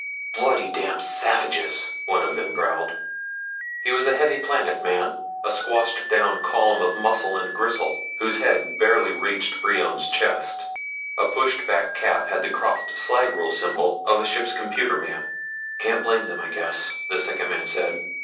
"Bloody damned savages!" one of them growled. He was a heavy planet man, a squashed down column of muscle and gristle, whose head barely reached Brion's chest. A pushed back cap had the crossed slide rule symbol of ship's computer man. "Can't blame them, I guess," the second man said.